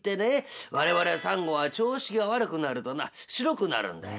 我々サンゴは調子が悪くなるとな白くなるんだよ。